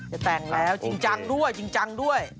จะแต่งแล้วจริงจังด้วย